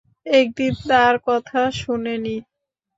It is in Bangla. একদিন তার কথা শোনেনি।